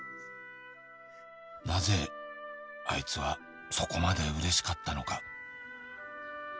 「なぜあいつはそこまで嬉しかったのか」